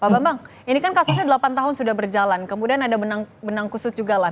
pak bambang ini kan kasusnya delapan tahun sudah berjalan kemudian ada benang kusut juga lah